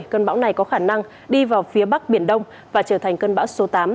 cơn bão này có khả năng đi vào phía bắc biển đông và trở thành cơn bão số tám